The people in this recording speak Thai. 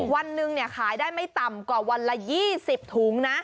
วันหนึ่งขายได้ไม่ต่ำกว่าวันละ๒๐ถุงนะ